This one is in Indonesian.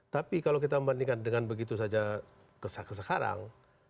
tapi kalau kita membandingkan dengan begitu saja ke sekarang